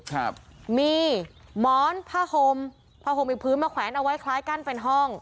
ครับมีหมอนผ้าห่มผ้าห่มอีกพื้นมาแขวนเอาไว้คล้ายกั้นเป็นห้อง